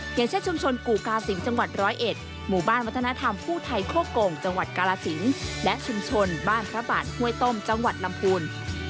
อย่างเช่นชุมชนกู่กาศิลป์จังหวัดร้อยเอ็ดหมู่บ้านวัฒนธรรมผู้ไทยโคโก่งจังหวัดกาลสินและชุมชนบ้านพระบาทห้วยต้มจังหวัดลำพูน